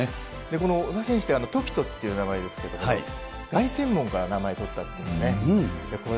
この小田選手って、凱人っていう名前ですけど、凱旋門から名前取ったっていうね。